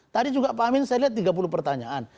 tadi juga pak amin saya lihat tiga puluh pertanyaan